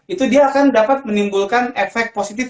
itu dia akan dapat menimbulkan efek positif